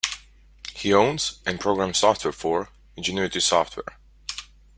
He owns, and programs software for, Ingenuity Software.